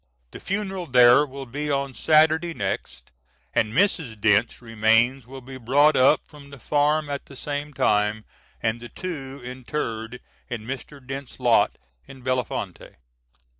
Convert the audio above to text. The funeral there will be on Saturday next; and Mrs. Dent's remains will be brought up from the farm at the same time, and the two interred in Mr. Dent's lot in Bellefontaine.